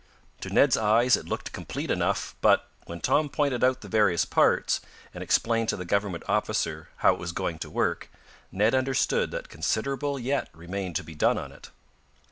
To Ned's eyes it looked complete enough, but, when Tom pointed out the various parts, and explained to the government officer how it was going to work, Ned understood that considerable yet remained to be done on it.